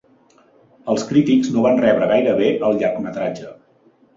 Els crítics no van rebre gaire bé el llargmetratge.